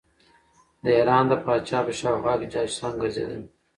د ایران د پاچا په شاوخوا کې جاسوسان ګرځېدل.